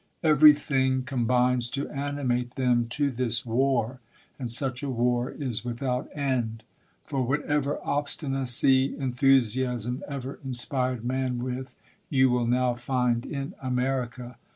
Every thing combines to animate them to this war, and such a war is without end ; for whatever obstinacy, enthusiasm ever inspired man with, you will now find in America.